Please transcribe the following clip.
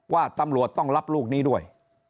ว่าตำรวจต้องรับลูกนี้ด้วย